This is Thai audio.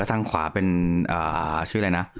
ทางขวาเป็นชื่ออะไรนะ